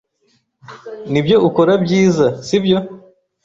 Nibyo ukora byiza, sibyo?